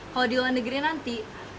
kalau di luar negeri nanti